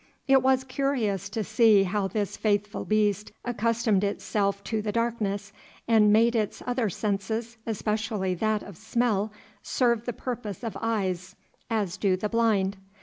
It was curious to see how this faithful beast accustomed itself to the darkness, and made its other senses, especially that of smell, serve the purpose of eyes as do the blind.